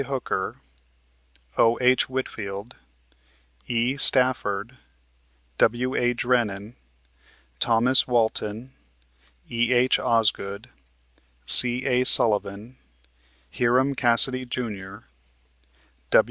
Hooker, O.H. Whitfield, E. Stafford, W.A. Drennan, Thomas Walton, E.H. Osgood, C.A. Sullivan, Hiram Cassedy, Jr.